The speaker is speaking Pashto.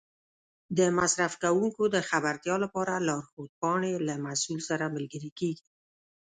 د مصرف کوونکو د خبرتیا لپاره لارښود پاڼې له محصول سره ملګري کېږي.